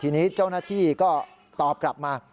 ทีนี้เจ้าหน้าที่ก็ตอบกลับมา